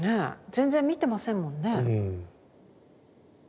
全然見てませんもんね。